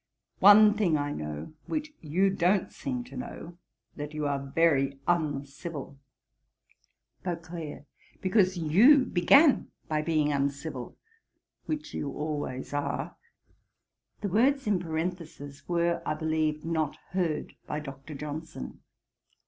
One thing I know, which you don't seem to know, that you are very uncivil.' BEAUCLERK. 'Because you began by being uncivil, (which you always are.)' The words in parenthesis were, I believe, not heard by Dr. Johnson.